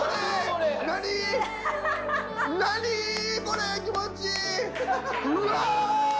これ気持ちいい！